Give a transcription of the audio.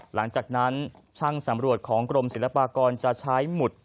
หลังจากนั้นช่างสำรวจของกรมศิลปากรจะใช้หมุด